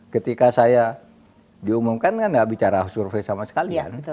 ketika saya diumumkan kan tidak bicara survei sama sekalian